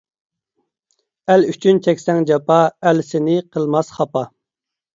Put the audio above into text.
ئەل ئۈچۈن چەكسەڭ جاپا، ئەل سېنى قىلماس خاپا.